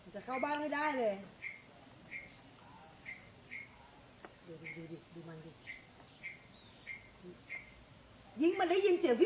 จะเข้าบ้านไม่ได้เลย